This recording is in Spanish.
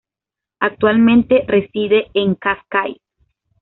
Actualmente reside en Cascais.